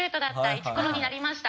イチコロになりました。